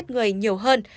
để giết người nhiều hơn